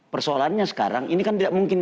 persoalannya sekarang ini kan tidak mungkin